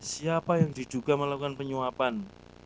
siapa yang diduga melakukan penyuapan